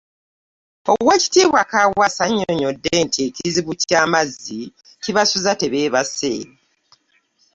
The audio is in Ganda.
Oweekitiibwa Kaawaase annyonnyodde nti ekizibu ky'amazzi kibasuza tebeebase